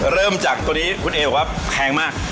เริ่มจากตัวนี้คุณเอบอกว่าแพงมาก